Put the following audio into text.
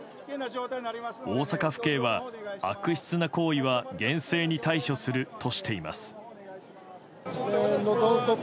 大阪府警は、悪質な行為は厳正に対処するとしています。